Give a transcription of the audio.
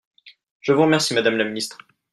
Je vous remercie, madame la ministre